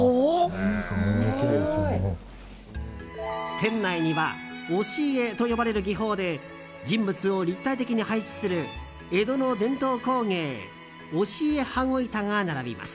店内には押絵と呼ばれる技法で人物を立体的に配置する江戸の伝統工芸押絵羽子板が並びます。